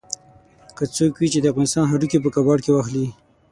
که څوک وي چې د افغانستان هډوکي په کباړ کې واخلي.